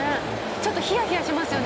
ちょっとヒヤヒヤしますよね